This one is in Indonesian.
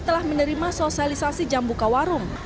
telah menerima sosialisasi jam buka warung